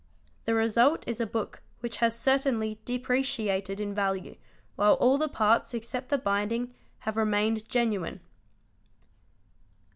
The result is a book which has certainly depreciated in value while all the parts except the binding have remained genuine.